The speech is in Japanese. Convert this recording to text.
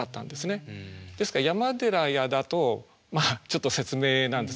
ですから「山寺や」だとちょっと説明なんですね。